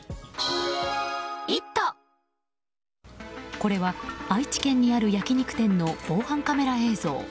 これは愛知県にある焼き肉店の防犯カメラ映像。